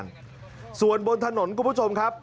งส่วนบนถนนครับ